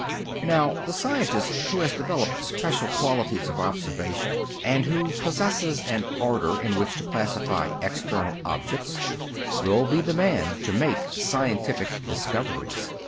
Now, the scientist who has developed special qualities of observation and who "possesses" an order in which to classify external objects will be the man to make scientific discoveries.